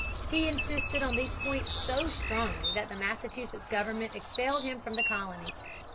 He insisted on these points so strongly that the Massachusetts government expelled him from the colony.